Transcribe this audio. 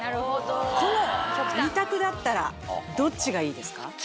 この２択だったらどっちがいいですか？